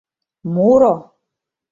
Муро!